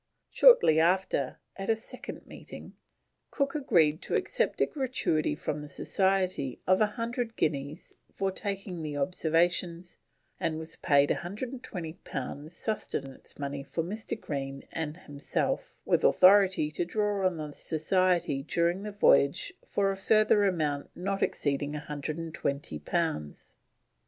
Shortly after, at a second meeting, Cook agreed to accept a gratuity from the Society of 100 guineas for taking the observations, and was paid 120 pounds sustenance money for Mr. Green and himself, with authority to draw on the Society during the voyage for a further amount not exceeding 120 pounds.